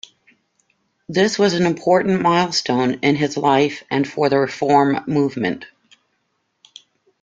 This was an important milestone in his life and for the reform movement.